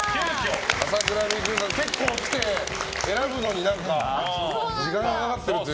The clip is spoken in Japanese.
朝倉未来さん、結構来て選ぶのに時間がかかってるという。